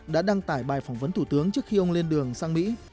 đã đăng tải bài phỏng vấn thủ tướng trước khi ông lên đường sang mỹ